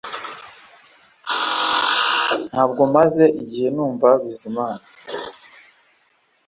Ntabwo maze igihe numva Bizimana